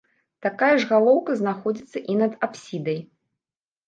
Такая ж галоўка знаходзіцца і над апсідай.